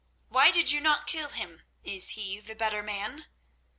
Why did you not kill him? Is he the better man?"